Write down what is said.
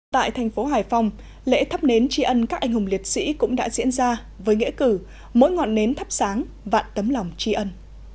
tại thành phố hải phòng lễ thắp nến tri ân các anh hùng liệt sĩ cũng đã diễn ra với nghĩa cử mỗi ngọn nến thắp sáng vạn tấm lòng tri ân